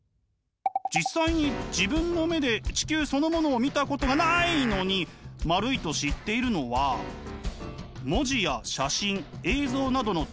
実際に自分の目で地球そのものを見たことがないのに丸いと知っているのは文字や写真映像などのデータ